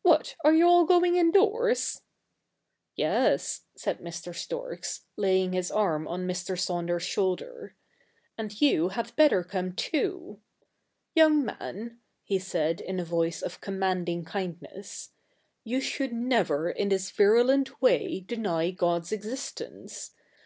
What ! are you all going indoors ?'' Yes,' said Mr. Storks, laying his arm on Mr. Saunders's shoulder ;' and you had better come too. Young man,' he said in a voice of commanding kindness, ' you should never in this virulent way deny God's existence.